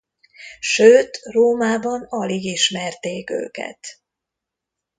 Sőt Rómában alig ismerték őket.